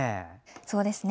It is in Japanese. そうですね。